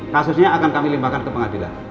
kasusnya akan kami limbahkan ke pengadilan